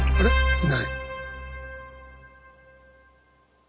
いない。